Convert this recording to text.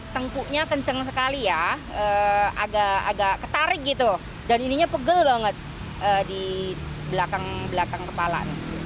tengkuknya kenceng sekali ya agak ketarik gitu dan ininya pegel banget di belakang belakang kepala